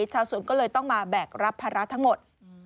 ชาวสวนก็เลยต้องมาแบกรับภาระทั้งหมด